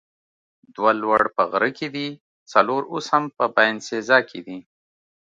دوه لوړ په غره کې دي، څلور اوس هم په باینسیزا کې دي.